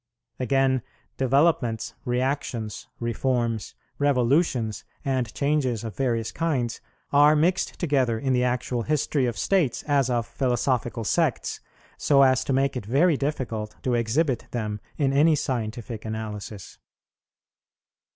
Again, developments, reactions, reforms, revolutions, and changes of various kinds are mixed together in the actual history of states, as of philosophical sects, so as to make it very difficult to exhibit them in any scientific analysis.